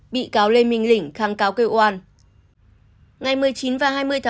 bị cáo lê minh lình kháng cáo kêu oan